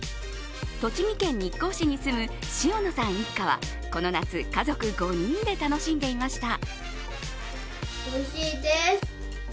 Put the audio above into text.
栃木県日光市に住む塩生さん一家は、この夏、家族５人で楽しんでいました。